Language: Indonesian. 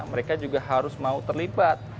mereka juga harus mau terlibat